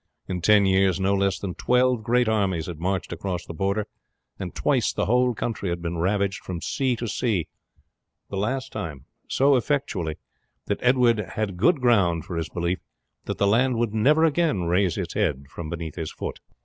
In ten years no less than twelve great armies had marched across the Border, and twice the whole country had been ravaged from sea to sea, the last time so effectually, that Edward had good ground for his belief that the land would never again raise its head from beneath his foot.